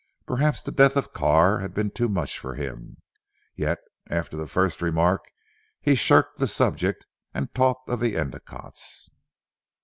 Perhaps the death of Carr had been too much for him. Yet after the first remark he shirked the subject and talked of the Endicottes.